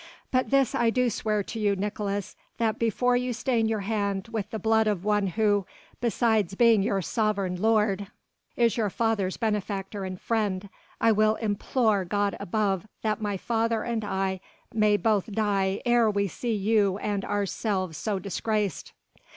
But this I do swear to you, Nicolaes, that before you stain your hand with the blood of one who, besides being your sovereign lord, is your father's benefactor and friend, I will implore God above, that my father and I may both die ere we see you and ourselves so disgraced."